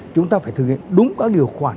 chúng ta phải thực hiện đúng các điều khoản